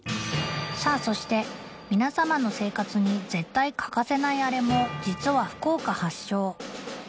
さあそして皆様の生活に絶対欠かせないアレも実は福岡発祥